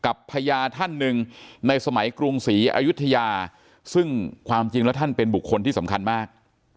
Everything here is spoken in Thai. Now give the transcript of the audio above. พญาท่านหนึ่งในสมัยกรุงศรีอายุทยาซึ่งความจริงแล้วท่านเป็นบุคคลที่สำคัญมาก